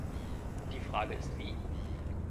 Die Frage ist wie.